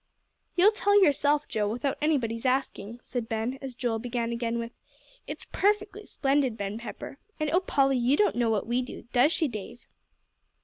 "You'll tell, yourself, Joe, without anybody's asking," said Ben, as Joel began again with: "It's perfectly splendid, Ben Pepper. And oh, Polly, you don't know what we do; does she, Dave?"